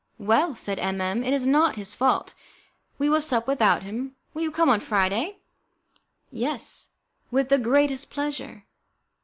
"Well," said M M , "it is not his fault. We will sup without him. Will you come on Friday?" "Yes, with the greatest pleasure.